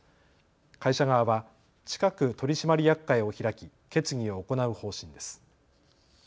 会社側は近く取締役会を開き決議を行う方針です。